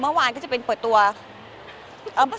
เนื้อหาดีกว่าน่ะเนื้อหาดีกว่าน่ะ